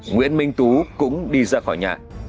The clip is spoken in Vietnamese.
nguyễn minh tú cũng đi ra khỏi nhà